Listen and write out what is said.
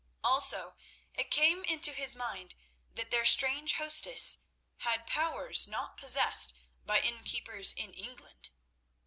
Also it came into his mind that their strange hostess had powers not possessed by innkeepers in England.